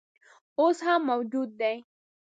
اوس هم موجود دی.